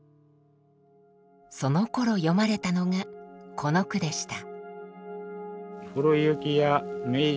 そのころ詠まれたのがこの句でした。